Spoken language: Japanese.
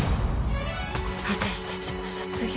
私たちも卒業か。